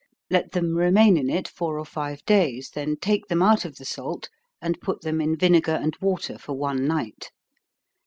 Let them remain in it four or five days, then take them out of the salt, and put them in vinegar and water for one night.